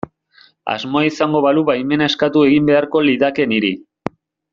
Asmoa izango balu baimena eskatu egin beharko lidake niri.